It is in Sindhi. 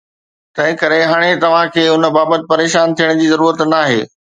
تنهنڪري هاڻي توهان کي ان بابت پريشان ٿيڻ جي ضرورت ناهي